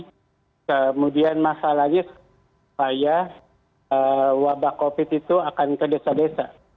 kemudian masalahnya supaya wabah covid itu akan ke desa desa